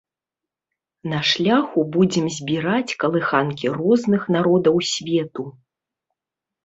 На шляху будзем збіраць калыханкі розных народаў свету.